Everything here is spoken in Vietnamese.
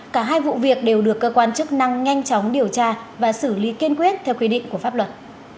cả hai vụ việc đều được cơ quan chức năng nhanh chóng điều tra và xử lý kiên quyết theo quy định của pháp luật